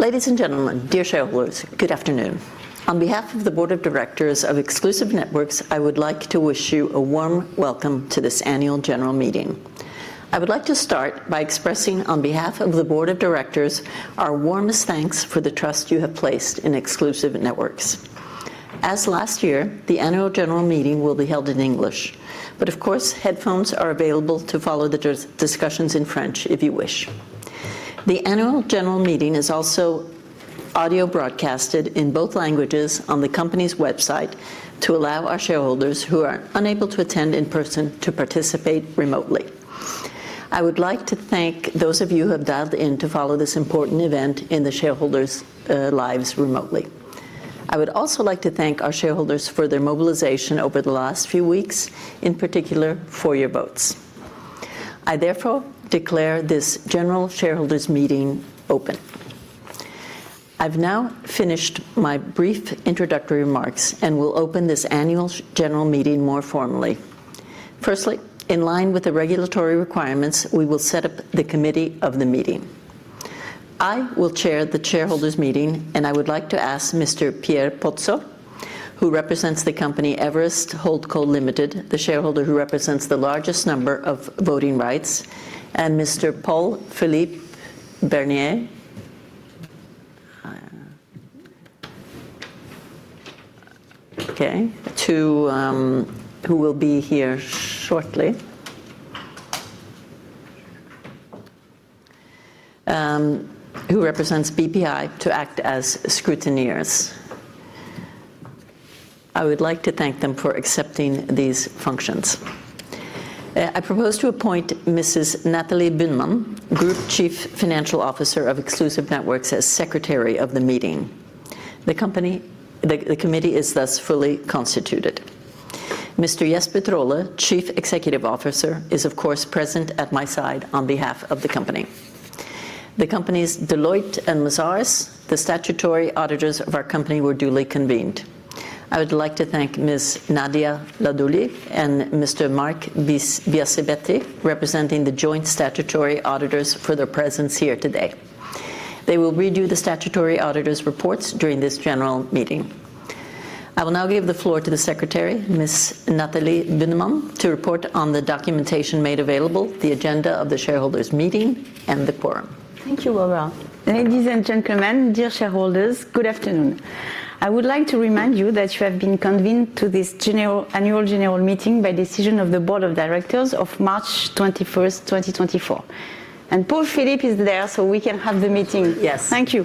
Ladies and gentlemen, dear shareholders, good afternoon. On behalf of the Board of Directors of Exclusive Networks, I would like to wish you a warm welcome to this annual general meeting. I would like to start by expressing, on behalf of the Board of Directors, our warmest thanks for the trust you have placed in Exclusive Networks. As last year, the annual general meeting will be held in English, but of course, headphones are available to follow the discussions in French, if you wish. The annual general meeting is also audio broadcasted in both languages on the company's website to allow our shareholders who are unable to attend in person to participate remotely. I would like to thank those of you who have dialed in to follow this important event in the shareholders' lives remotely. I would also like to thank our shareholders for their mobilization over the last few weeks, in particular, for your votes. I therefore declare this general shareholders meeting open. I've now finished my brief introductory remarks and will open this annual general meeting more formally. Firstly, in line with the regulatory requirements, we will set up the committee of the meeting. I will chair the shareholders meeting, and I would like to ask Mr. Pierre Pozzo, who represents the company Everest HoldCo Limited, the shareholder who represents the largest number of voting rights, and Mr. Paul-Philippe Bernier, who will be here shortly, who represents BPI, to act as scrutineers. I would like to thank them for accepting these functions. I propose to appoint Mrs. Nathalie Bühnemann, Group Chief Financial Officer of Exclusive Networks, as secretary of the meeting. The committee is thus fully constituted. Mr. Jesper Trolle, Chief Executive Officer, is of course present at my side on behalf of the company. The companies Deloitte and Mazars, the statutory auditors of our company, were duly convened. I would like to thank Ms. Nadia Laadouli and Mr. Marc Biasibetti, representing the joint statutory auditors, for their presence here today. They will read you the statutory auditors' reports during this general meeting. I will now give the floor to the secretary, Ms. Nathalie Bühnemann, to report on the documentation made available, the agenda of the shareholders meeting, and the quorum. Thank you, Laura. Ladies and gentlemen, dear shareholders, good afternoon. I would like to remind you that you have been convened to this general, annual general meeting by decision of the board of directors of March 21st, 2024. Paul-Philippe is there, so we can have the meeting. Yes. Thank you.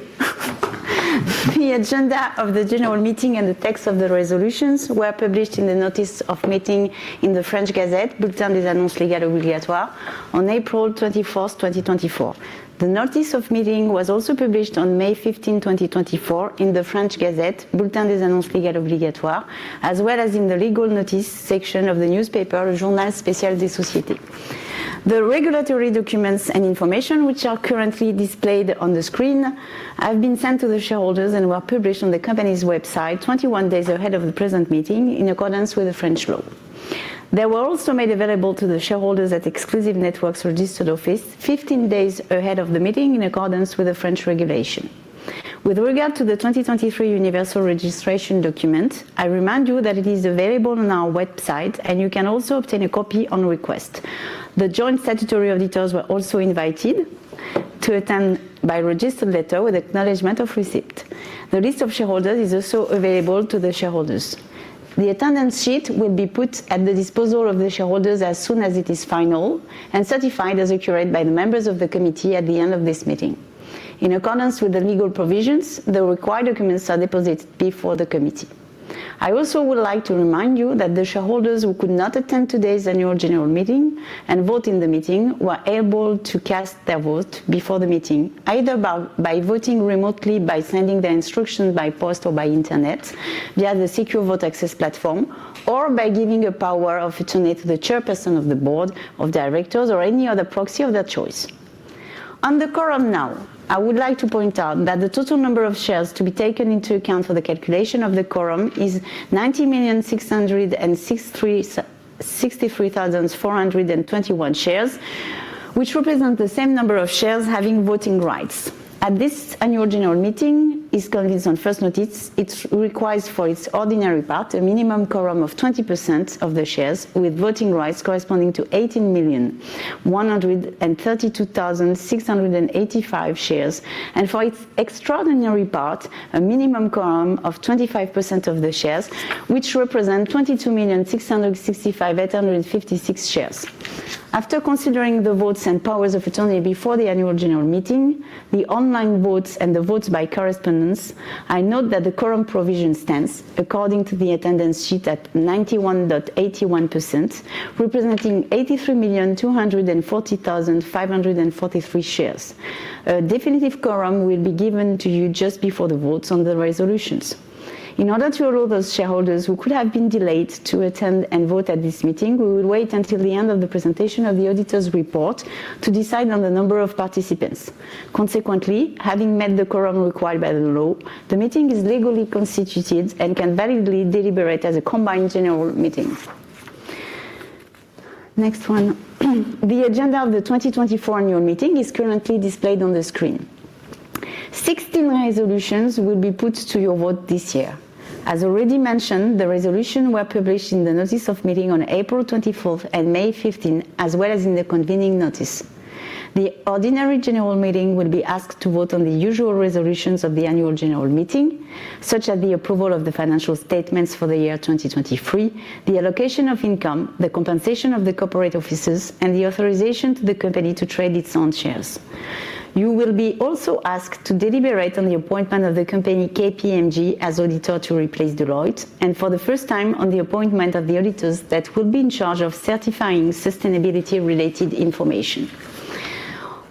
The agenda of the general meeting and the text of the resolutions were published in the notice of meeting in the French Gazette, Bulletin des Annonces Légales Obligatoires, on April 24, 2024. The notice of meeting was also published on May 15, 2024, in the French Gazette, Bulletin des Annonces Légales Obligatoires, as well as in the legal notice section of the newspaper, Journal Spécial des Sociétés. The regulatory documents and information which are currently displayed on the screen have been sent to the shareholders and were published on the company's website 21 days ahead of the present meeting, in accordance with the French law. They were also made available to the shareholders at Exclusive Networks' registered office 15 days ahead of the meeting, in accordance with the French regulation. With regard to the 2023 Universal Registration Document, I remind you that it is available on our website, and you can also obtain a copy on request. The joint statutory auditors were also invited to attend by registered letter with acknowledgment of receipt. The list of shareholders is also available to the shareholders. The attendance sheet will be put at the disposal of the shareholders as soon as it is final and certified as accurate by the members of the committee at the end of this meeting. In accordance with the legal provisions, the required documents are deposited before the committee. I also would like to remind you that the shareholders who could not attend today's annual general meeting and vote in the meeting were able to cast their vote before the meeting, either by voting remotely, by sending their instruction by post or by internet via the secure vote access platform, or by giving a power of attorney to the chairperson of the board of directors or any other proxy of their choice. On the quorum now, I would like to point out that the total number of shares to be taken into account for the calculation of the quorum is 90 million 663,421 shares, which represent the same number of shares having voting rights. At this annual general meeting, as comes on first notice, it requires for its ordinary part, a minimum quorum of 20% of the shares, with voting rights corresponding to 18 million 132,685 shares, and for its extraordinary part, a minimum quorum of 25% of the shares, which represent 22 million 665,856 shares. After considering the votes and powers of attorney before the annual general meeting, the online votes, and the votes by correspondence, I note that the current provision stands according to the attendance sheet at 91.81%, representing 83 million 240,543 shares. A definitive quorum will be given to you just before the votes on the resolutions. In order to allow those shareholders who could have been delayed to attend and vote at this meeting, we will wait until the end of the presentation of the auditor's report to decide on the number of participants. Consequently, having met the quorum required by the law, the meeting is legally constituted and can validly deliberate as a combined general meeting. Next one. The agenda of the 2024 annual meeting is currently displayed on the screen. 16 resolutions will be put to your vote this year. As already mentioned, the resolutions were published in the notice of meeting on April 24 and May 15, as well as in the convening notice. The ordinary general meeting will be asked to vote on the usual resolutions of the annual general meeting, such as the approval of the financial statements for the year 2023, the allocation of income, the compensation of the corporate officers, and the authorization to the company to trade its own shares. You will be also asked to deliberate on the appointment of the company, KPMG, as auditor to replace Deloitte, and for the first time, on the appointment of the auditors that will be in charge of certifying sustainability-related information.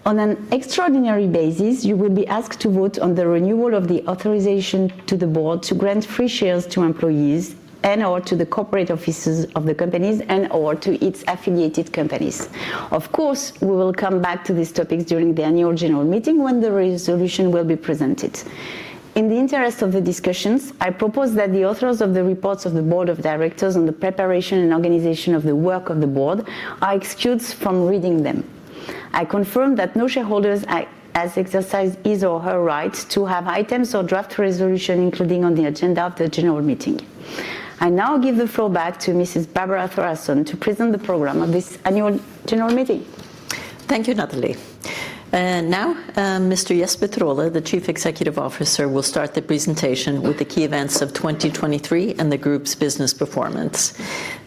On an extraordinary basis, you will be asked to vote on the renewal of the authorization to the board to grant free shares to employees and/or to the corporate offices of the companies and/or to its affiliated companies. Of course, we will come back to these topics during the annual general meeting when the resolution will be presented. In the interest of the discussions, I propose that the authors of the reports of the board of directors on the preparation and organization of the work of the board are excused from reading them. I confirm that no shareholder has exercised his or her right to have items or draft resolutions included on the agenda of the general meeting. I now give the floor back to Mrs. Barbara Thoralfsson to present the program of this annual general meeting. Thank you, Nathalie. Now, Mr. Jesper Trolle, the Chief Executive Officer, will start the presentation with the key events of 2023 and the group's business performance.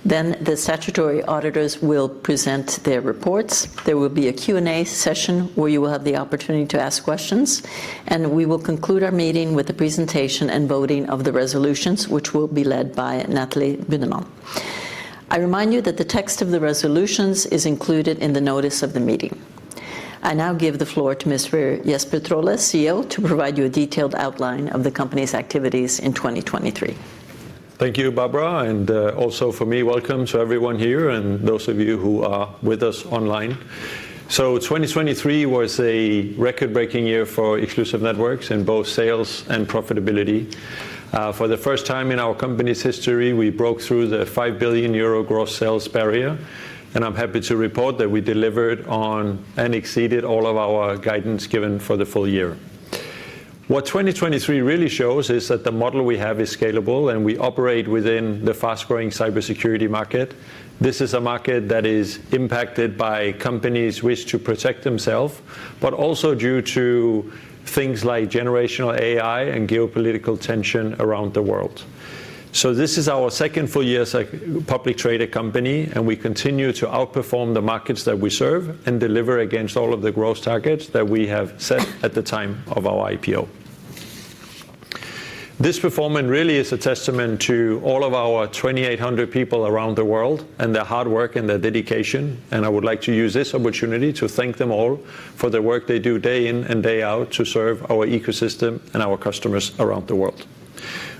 Then the statutory auditors will present their reports. There will be a Q&A session, where you will have the opportunity to ask questions, and we will conclude our meeting with the presentation and voting of the resolutions, which will be led by Nathalie Bühnemann. I remind you that the text of the resolutions is included in the notice of the meeting. I now give the floor to Mr. Jesper Trolle, CEO, to provide you a detailed outline of the company's activities in 2023. Thank you, Barbara, and also for me, welcome to everyone here and those of you who are with us online. So 2023 was a record-breaking year for Exclusive Networks in both sales and profitability. For the first time in our company's history, we broke through the 5 billion euro gross sales barrier, and I'm happy to report that we delivered on and exceeded all of our guidance given for the full year. What 2023 really shows is that the model we have is scalable, and we operate within the fast-growing cybersecurity market. This is a market that is impacted by companies' wish to protect themselves, but also due to things like Generative AI and geopolitical tension around the world. So this is our second full year as a publicly traded company, and we continue to outperform the markets that we serve and deliver against all of the growth targets that we have set at the time of our IPO. This performance really is a testament to all of our 2,800 people around the world and their hard work and their dedication, and I would like to use this opportunity to thank them all for the work they do day in and day out to serve our ecosystem and our customers around the world.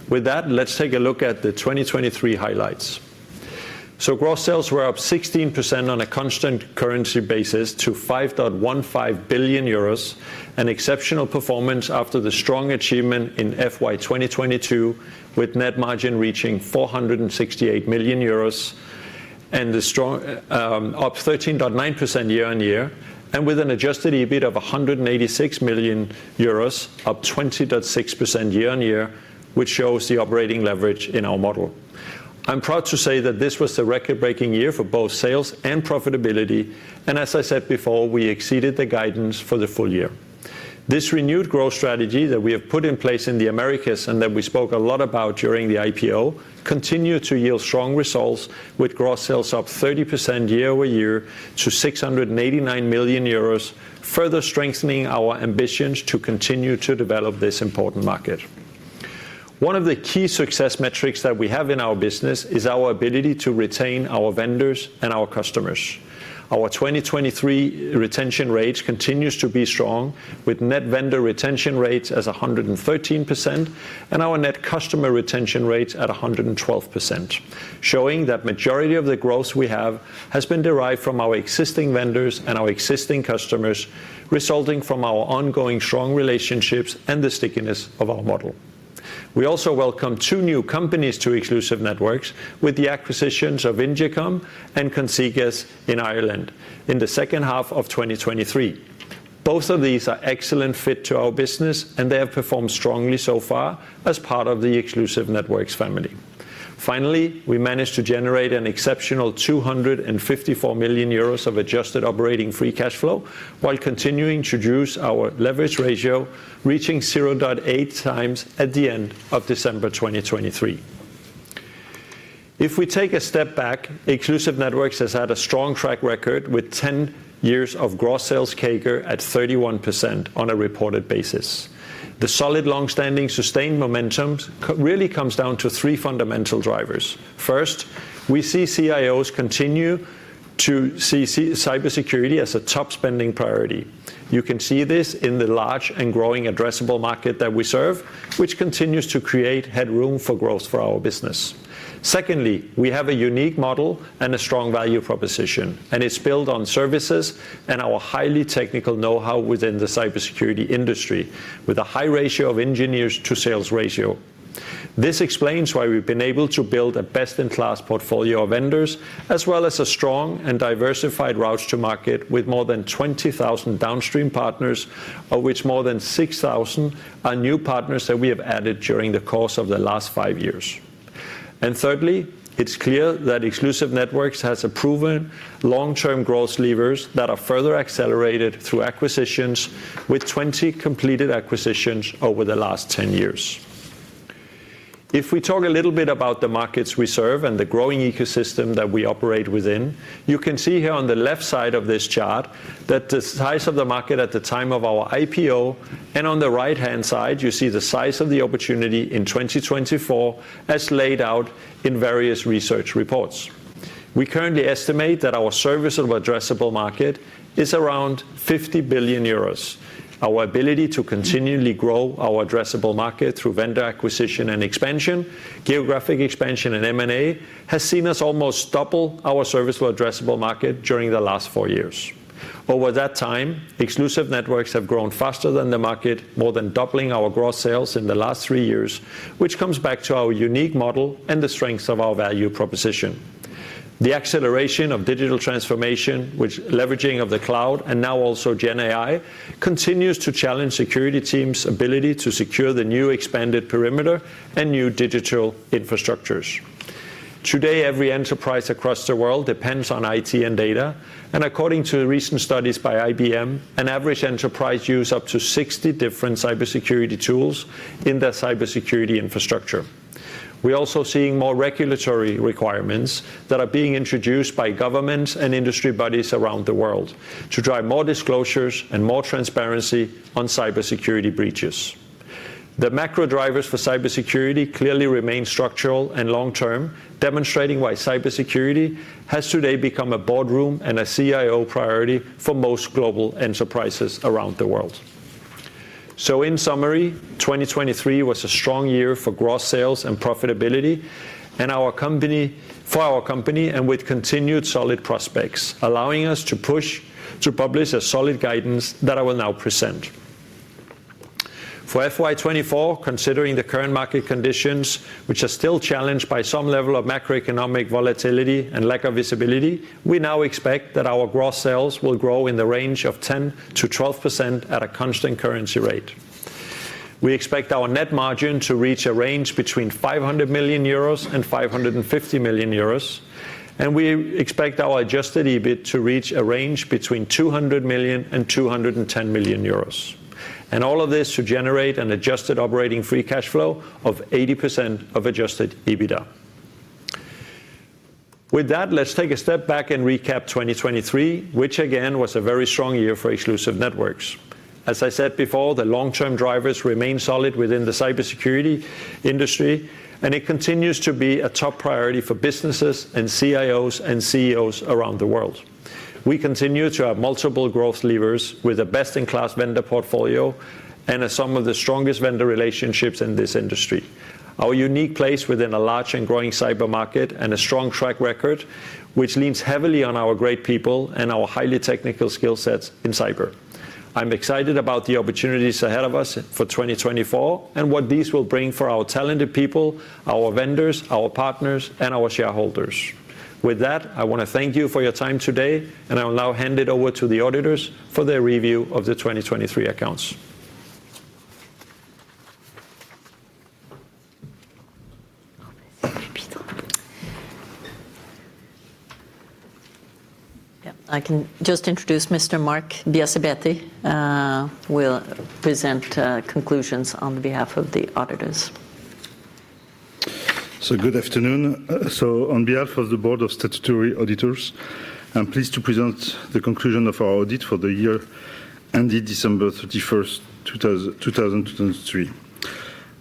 With that, let's take a look at the 2023 highlights. So gross sales were up 16% on a constant currency basis to 5.15 billion euros, an exceptional performance after the strong achievement in FY 2022, with net margin reaching 468 million euros, and the strong. Up 13.9% year-over-year, and with an Adjusted EBIT of 186 million euros, up 20.6% year-over-year, which shows the operating leverage in our model. I'm proud to say that this was a record-breaking year for both sales and profitability, and as I said before, we exceeded the guidance for the full year. This renewed growth strategy that we have put in place in the Americas, and that we spoke a lot about during the IPO, continued to yield strong results, with gross sales up 30% year-over-year to 689 million euros, further strengthening our ambitions to continue to develop this important market. One of the key success metrics that we have in our business is our ability to retain our vendors and our customers. Our 2023 retention rate continues to be strong, with Net Vendor Retention Rates as 113% and our Net Customer Retention Rates at 112%, showing that majority of the growth we have has been derived from our existing vendors and our existing customers, resulting from our ongoing strong relationships and the stickiness of our model. We also welcome two new companies to Exclusive Networks, with the acquisitions of Ingecom and Consigas in Ireland in the second half of 2023. Both of these are excellent fit to our business, and they have performed strongly so far as part of the Exclusive Networks family. Finally, we managed to generate an exceptional 254 million euros of Adjusted Operating Free Cash Flow while continuing to reduce our leverage ratio, reaching 0.8 times at the end of December 2023. If we take a step back, Exclusive Networks has had a strong track record, with 10 years of gross sales CAGR at 31% on a reported basis. The solid, long-standing, sustained momentum really comes down to three fundamental drivers. First, we see CIOs continue to see cybersecurity as a top spending priority. You can see this in the large and growing addressable market that we serve, which continues to create headroom for growth for our business. Secondly, we have a unique model and a strong value proposition, and it's built on services and our highly technical know-how within the cybersecurity industry, with a high ratio of engineers to sales ratio.... This explains why we've been able to build a best-in-class portfolio of vendors, as well as a strong and diversified route to market with more than 20,000 downstream partners, of which more than 6,000 are new partners that we have added during the course of the last five years. And thirdly, it's clear that Exclusive Networks has a proven long-term growth levers that are further accelerated through acquisitions, with 20 completed acquisitions over the last 10 years. If we talk a little bit about the markets we serve and the growing ecosystem that we operate within, you can see here on the left side of this chart, that the size of the market at the time of our IPO, and on the right-hand side, you see the size of the opportunity in 2024, as laid out in various research reports. We currently estimate that our serviceable addressable market is around 50 billion euros. Our ability to continually grow our addressable market through vendor acquisition and expansion, geographic expansion, and M&A, has seen us almost double our serviceable addressable market during the last four years. Over that time, Exclusive Networks have grown faster than the market, more than doubling our gross sales in the last three years, which comes back to our unique model and the strengths of our value proposition. The acceleration of digital transformation, with leveraging of the cloud, and now also GenAI, continues to challenge security teams' ability to secure the new expanded perimeter and new digital infrastructures. Today, every enterprise across the world depends on IT and data, and according to recent studies by IBM, an average enterprise use up to 60 different cybersecurity tools in their cybersecurity infrastructure. We're also seeing more regulatory requirements that are being introduced by governments and industry bodies around the world to drive more disclosures and more transparency on cybersecurity breaches. The macro drivers for cybersecurity clearly remain structural and long-term, demonstrating why cybersecurity has today become a boardroom and a CIO priority for most global enterprises around the world. So in summary, 2023 was a strong year for gross sales and profitability, and our company-- for our company, and with continued solid prospects, allowing us to push-- to publish a solid guidance that I will now present. For FY 2024, considering the current market conditions, which are still challenged by some level of macroeconomic volatility and lack of visibility, we now expect that our gross sales will grow in the range of 10%-12% at a constant currency rate. We expect our net margin to reach a range between 500 million euros and 550 million euros, and we expect our adjusted EBIT to reach a range between 200 million and 210 million euros. All of this should generate an Adjusted Operating Free Cash Flow of 80% of adjusted EBITDA. With that, let's take a step back and recap 2023, which again, was a very strong year for Exclusive Networks. As I said before, the long-term drivers remain solid within the cybersecurity industry, and it continues to be a top priority for businesses, and CIOs, and CEOs around the world. We continue to have multiple growth levers, with a best-in-class vendor portfolio and some of the strongest vendor relationships in this industry. Our unique place within a large and growing cyber market and a strong track record, which leans heavily on our great people and our highly technical skill sets in cyber. I'm excited about the opportunities ahead of us for 2024, and what these will bring for our talented people, our vendors, our partners, and our shareholders. With that, I wanna thank you for your time today, and I will now hand it over to the auditors for their review of the 2023 accounts. Yeah, I can just introduce Mr. Marc Biasibetti, will present conclusions on behalf of the auditors. Good afternoon. On behalf of the Board of Statutory Auditors, I'm pleased to present the conclusion of our audit for the year ended December 31, 2023.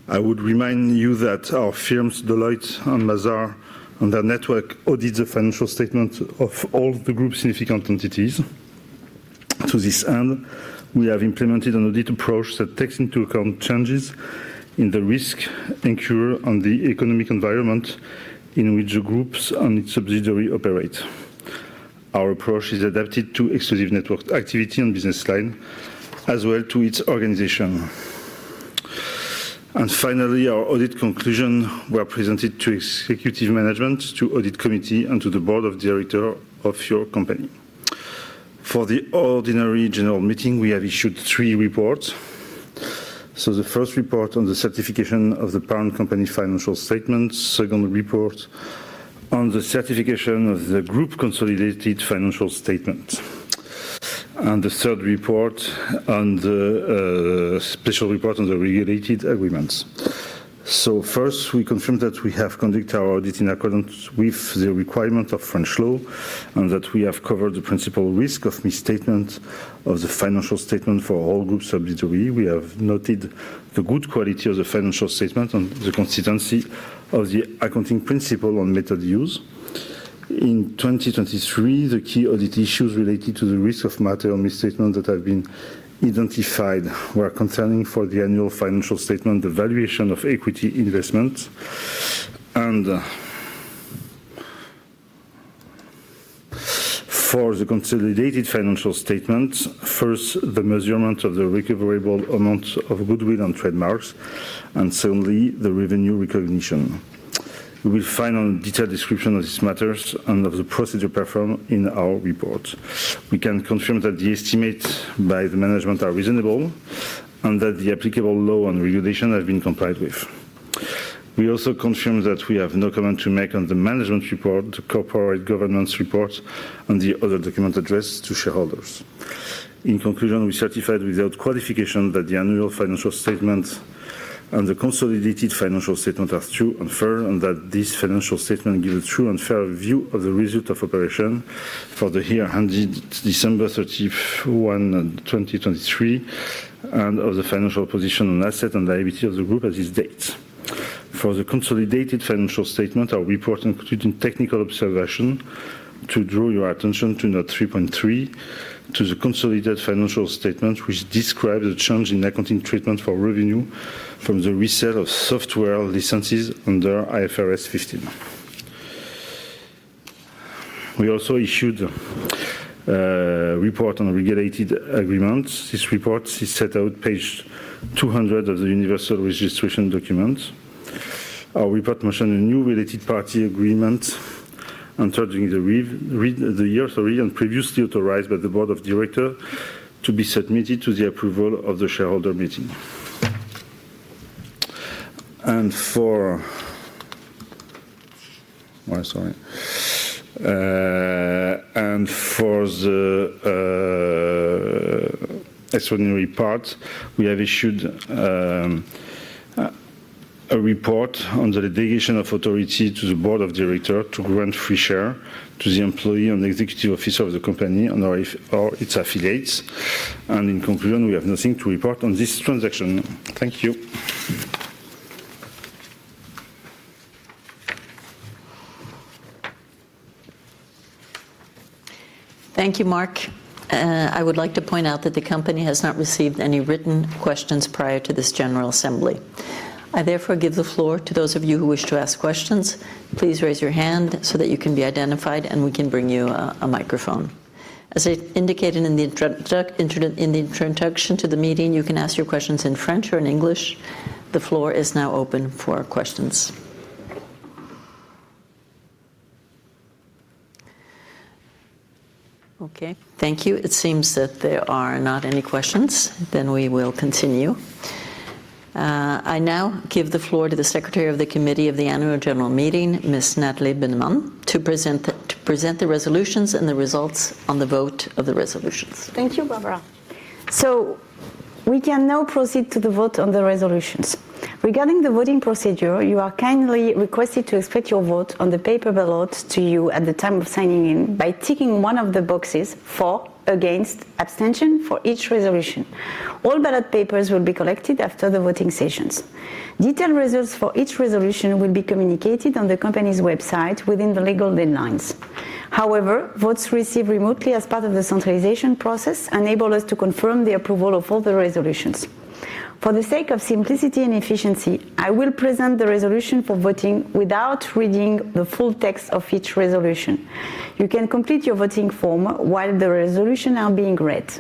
I would remind you that our firms, Deloitte and Mazars, and their network, audit the financial statements of all the group’s significant entities. To this end, we have implemented an audit approach that takes into account changes in the risk incurred on the economic environment in which the group and its subsidiaries operate. Our approach is adapted to Exclusive Networks’ activity and business line, as well as to its organization. And finally, our audit conclusions were presented to executive management, to the audit committee, and to the board of directors of your company. For the ordinary general meeting, we have issued three reports. The first report on the certification of the parent company financial statements. Second report on the certification of the group consolidated financial statement, and the third report on the special report on the related agreements. So first, we confirm that we have conducted our audit in accordance with the requirement of French law, and that we have covered the principal risk of misstatement of the financial statement for all group subsidiary. We have noted the good quality of the financial statement and the consistency of the accounting principle on method used. In 2023, the key audit issues related to the risk of material misstatement that have been identified were concerning for the annual financial statement, the valuation of equity investment, and for the consolidated financial statement, first, the measurement of the recoverable amount of goodwill and trademarks, and secondly, the revenue recognition. You will find a detailed description of these matters and of the procedure performed in our report. We can confirm that the estimates by the management are reasonable, and that the applicable law and regulation have been complied with. We also confirm that we have no comment to make on the management report, the corporate governance report, and the other documents addressed to shareholders. In conclusion, we certified without qualification that the annual financial statement and the consolidated financial statement are true and fair, and that this financial statement gives a true and fair view of the result of operation for the year ended December 31, 2023, and of the financial position and asset and liability of the group as this date. For the consolidated financial statement, our report included technical observation to draw your attention to note 3.3, to the consolidated financial statement, which describes the change in accounting treatment for revenue from the resale of software licenses under IFRS 15. We also issued report on regulated agreements. This report is set out on page 200 of the Universal Registration Document. Our report mentioned a new related party agreement entered during the year and previously authorized by the Board of Directors to be submitted to the approval of the shareholders meeting. For the extraordinary part, we have issued a report on the delegation of authority to the Board of Directors to grant free shares to the employees and executive officers of the company and/or its affiliates. In conclusion, we have nothing to report on this transaction. Thank you. Thank you, Marc. I would like to point out that the company has not received any written questions prior to this general assembly. I therefore give the floor to those of you who wish to ask questions. Please raise your hand so that you can be identified, and we can bring you a microphone. As I indicated in the introduction to the meeting, you can ask your questions in French or in English. The floor is now open for questions. Okay, thank you. It seems that there are not any questions, then we will continue. I now give the floor to the Secretary of the Committee of the Annual General Meeting, Ms. Nathalie Bühnemann, to present the resolutions and the results on the vote of the resolutions. Thank you, Barbara. We can now proceed to the vote on the resolutions. Regarding the voting procedure, you are kindly requested to express your vote on the paper ballot to you at the time of signing in by ticking one of the boxes, for, against, abstention, for each resolution. All ballot papers will be collected after the voting sessions. Detailed results for each resolution will be communicated on the company's website within the legal deadlines. However, votes received remotely as part of the centralization process enable us to confirm the approval of all the resolutions. For the sake of simplicity and efficiency, I will present the resolution for voting without reading the full text of each resolution. You can complete your voting form while the resolution are being read.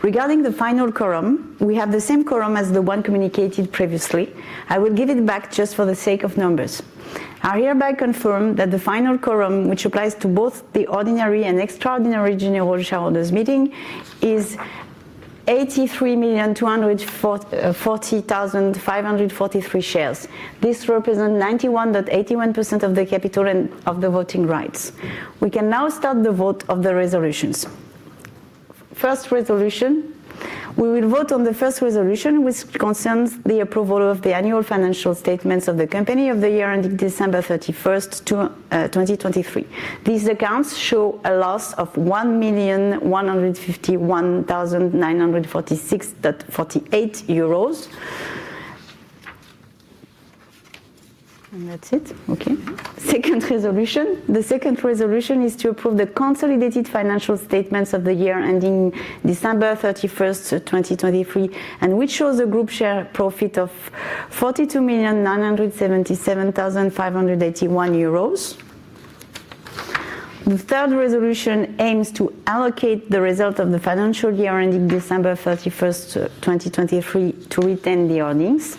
Regarding the final quorum, we have the same quorum as the one communicated previously. I will give it back just for the sake of numbers. I hereby confirm that the final quorum, which applies to both the ordinary and extraordinary general shareholders meeting, is 83 million 240,543 shares. This represent 91.81% of the capital and of the voting rights. We can now start the vote of the resolutions. First resolution, we will vote on the first resolution, which concerns the approval of the annual financial statements of the company of the year ending December 31st, 2023. These accounts show a loss of 1 millon 151,946.48. And that's it. Okay. Second resolution. The second resolution is to approve the consolidated financial statements of the year ending December 31st, 2023, and which shows a group share profit of 42 million euros 977,581. The third resolution aims to allocate the result of the financial year ending December 31st, 2023, to retain the earnings.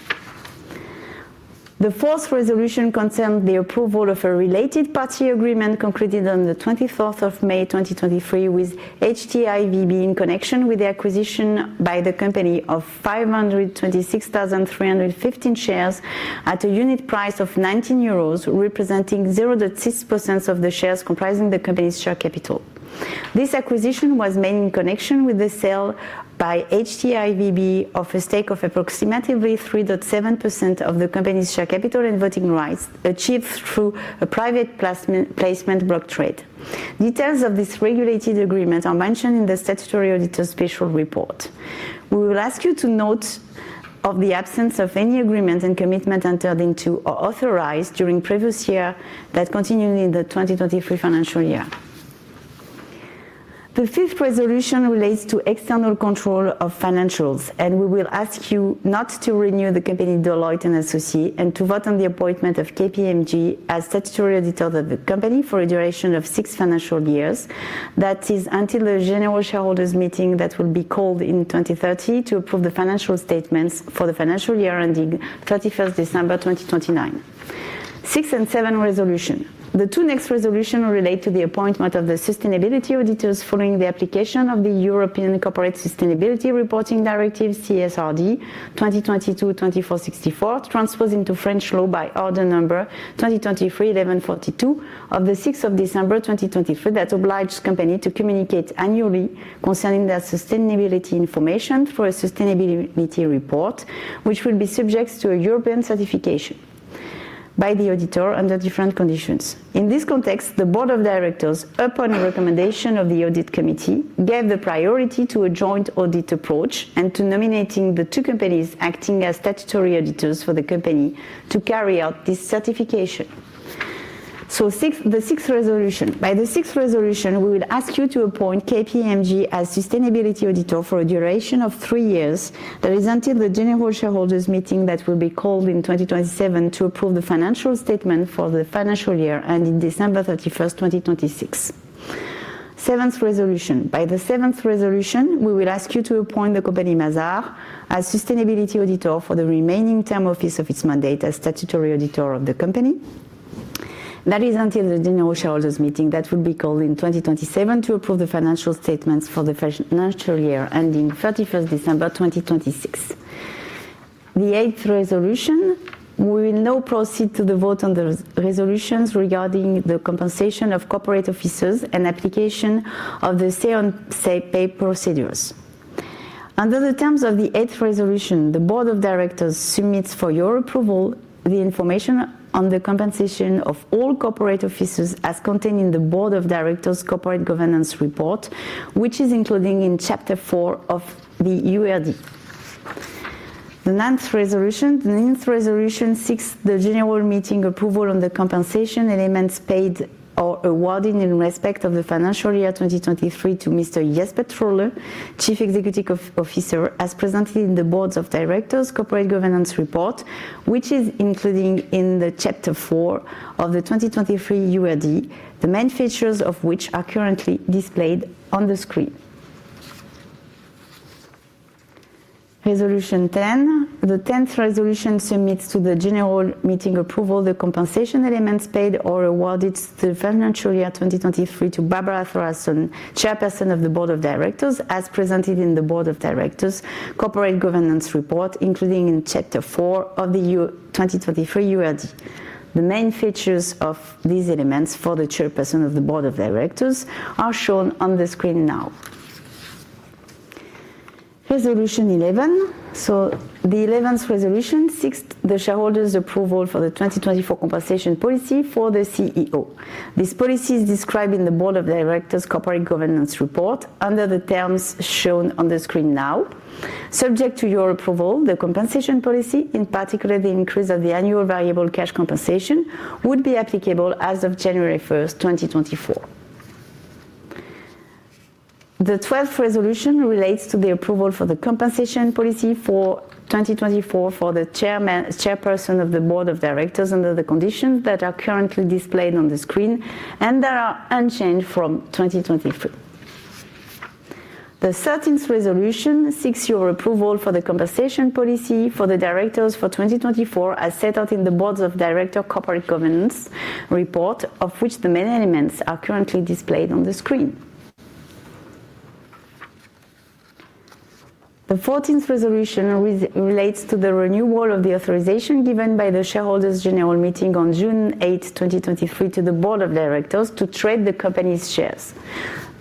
The fourth resolution concerns the approval of a related party agreement concluded on the 24th of May, 2023, with HTIVB in connection with the acquisition by the company of 526,315 shares at a unit price of 19 euros, representing 0.6% of the shares comprising the company's share capital. This acquisition was made in connection with the sale by HTIVB of a stake of approximately 3.7% of the company's share capital and voting rights, achieved through a private placement, placement block trade. Details of this regulated agreement are mentioned in the statutory auditor's special report. We will ask you to note of the absence of any agreement and commitment entered into or authorized during previous year that continued in the 2023 financial year... The fifth resolution relates to external control of financials, and we will ask you not to renew the company Deloitte & Associés, and to vote on the appointment of KPMG as statutory auditor of the company for a duration of six financial years. That is until the general shareholders meeting that will be called in 2030 to approve the financial statements for the financial year ending 31st, December 2029. Sixth and seventh resolution. The two next resolution relate to the appointment of the sustainability auditors following the application of the European Corporate Sustainability Reporting Directive, CSRD, 2022/2464, transposed into French law by order number 2023-1142 of the 6th of December 2023, that oblige company to communicate annually concerning their sustainability information for a sustainability report, which will be subject to a European certification by the auditor under different conditions. In this context, the board of directors, upon recommendation of the audit committee, gave the priority to a joint audit approach and to nominating the two companies acting as statutory auditors for the company to carry out this certification. So six- the sixth resolution. By the sixth resolution, we will ask you to appoint KPMG as sustainability auditor for a duration of three years. That is until the general shareholders meeting that will be called in 2027 to approve the financial statement for the financial year ending December 31, 2026. Seventh resolution. By the seventh resolution, we will ask you to appoint the company Mazars as sustainability auditor for the remaining term office of its mandate as statutory auditor of the company. That is until the general shareholders meeting that will be called in 2027 to approve the financial statements for the financial year ending 31 December, 2026. The eighth resolution, we will now proceed to the vote on the resolutions regarding the compensation of corporate officers and application of the Say on Pay procedures. Under the terms of the eighth resolution, the board of directors submits for your approval the information on the compensation of all corporate officers, as contained in the Board of Directors Corporate Governance Report, which is including in chapter four of the URD. The ninth resolution. The ninth resolution seeks the general meeting approval on the compensation elements paid or awarded in respect of the financial year 2023 to Mr. Jesper Trolle, Chief Executive Officer, as presented in the Board of Directors Corporate Governance Report, which is including in the chapter four of the 2023 URD, the main features of which are currently displayed on the screen. Resolution 10. The tenth resolution submits to the general meeting approval, the compensation elements paid or awarded the financial year 2023 to Barbara Thoralfsson, Chairperson of the Board of Directors, as presented in the Board of Directors Corporate Governance Report, including in chapter four of the 2023 URD. The main features of these elements for the Chairperson of the Board of Directors are shown on the screen now. Resolution eleven. So the eleventh resolution seeks the shareholders' approval for the 2024 compensation policy for the CEO. This policy is described in the Board of Directors Corporate Governance Report under the terms shown on the screen now. Subject to your approval, the compensation policy, in particular, the increase of the annual variable cash compensation, would be applicable as of January first, 2024. The twelfth resolution relates to the approval for the compensation policy for 2024 for the Chairperson of the Board of Directors, under the conditions that are currently displayed on the screen, and they are unchanged from 2023. The thirteenth resolution seeks your approval for the compensation policy for the directors for 2024, as set out in the Board of Directors Corporate Governance Report, of which the main elements are currently displayed on the screen. The fourteenth resolution relates to the renewal of the authorization given by the shareholders' general meeting on June 8, 2023, to the Board of Directors to trade the company's shares.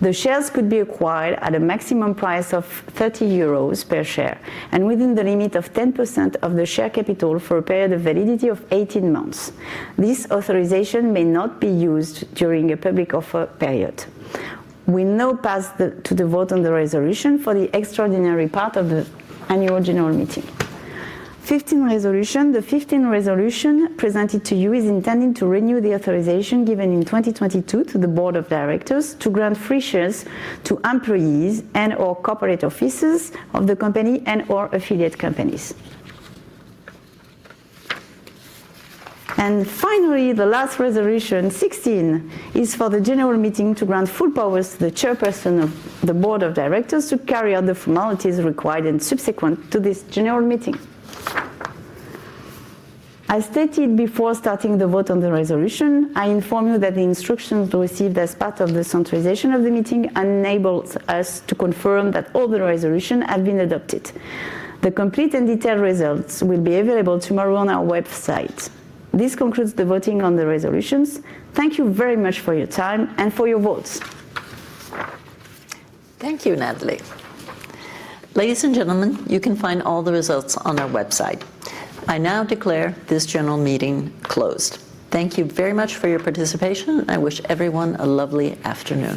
The shares could be acquired at a maximum price of 30 euros per share and within the limit of 10% of the share capital for a period of validity of 18 months. This authorization may not be used during a public offer period. We now pass to the vote on the resolution for the extraordinary part of the annual general meeting. Fifteenth resolution. The fifteenth resolution presented to you is intending to renew the authorization given in 2022 to the board of directors to grant free shares to employees and/or corporate officers of the company and/or affiliate companies. And finally, the last resolution, sixteen, is for the general meeting to grant full powers to the chairperson of the Board of Directors to carry out the formalities required and subsequent to this general meeting. As stated before, starting the vote on the resolution, I inform you that the instructions received as part of the centralization of the meeting enables us to confirm that all the resolution have been adopted. The complete and detailed results will be available tomorrow on our website. This concludes the voting on the resolutions. Thank you very much for your time and for your votes. Thank you, Nathalie. Ladies and gentlemen, you can find all the results on our website. I now declare this general meeting closed. Thank you very much for your participation. I wish everyone a lovely afternoon.